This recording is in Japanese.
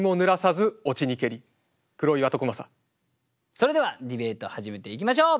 それではディベートを始めていきましょう。